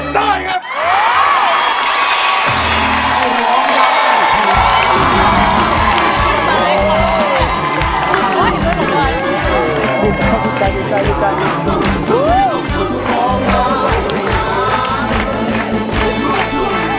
ได้ครับ